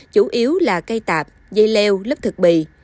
chủ yếu là cây tạp dây leo lớp thực bì